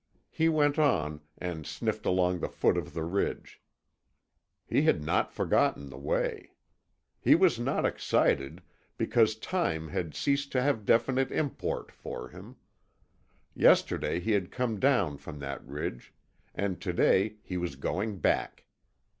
He went on, and sniffed along the foot of the ridge; he had not forgotten the way. He was not excited, because time had ceased to have definite import for him. Yesterday he had come down from that ridge, and to day he was going back.